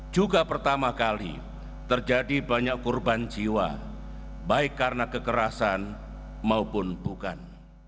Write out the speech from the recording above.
juga pertama kali terjadi banyak korban jiwa baik karena kekerasan maupun bukan